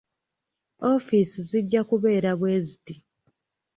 Ofiisi zijja kubeera bweziti.